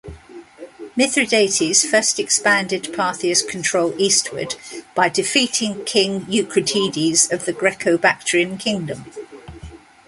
Mithridates first expanded Parthia's control eastward by defeating King Eucratides of the Greco-Bactrian Kingdom.